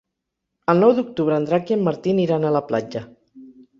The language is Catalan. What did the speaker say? El nou d'octubre en Drac i en Martí aniran a la platja.